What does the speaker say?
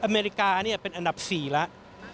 อเมริกาเป็นอันดับ๔แล้ว